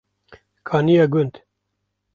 Kaniya Gund